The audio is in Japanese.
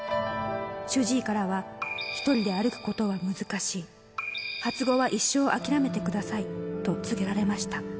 主治医からは、一人で歩くことは難しい、発語は一生諦めてくださいと告げられました。